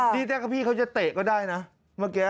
นี่แน่ก็พี่เขาจะเตะก็ได้นะเมื่อกี้